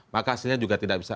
maka hasilnya juga tidak bisa